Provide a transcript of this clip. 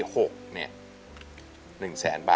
ขอบคุณครับ